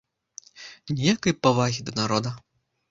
Ніякай павагі да народа!